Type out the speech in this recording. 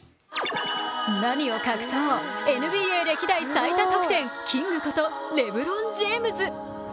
何を隠そう、ＮＢＡ歴代最多得点キングことレブロン・ジェームズ。